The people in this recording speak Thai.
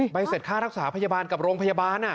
เสร็จค่ารักษาพยาบาลกับโรงพยาบาล